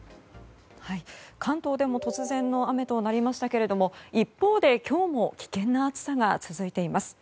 関東でも突然の雨となりましたが一方で今日も危険な暑さが続いています。